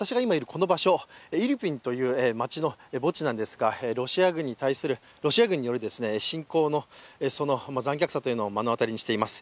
この場所、イルピンという場所の墓地なんですがロシア軍による侵攻の残虐さというのを目の当たりにしています。